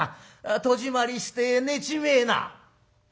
戸締まりして寝ちめえな」。